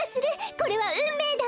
これはうんめいだわ！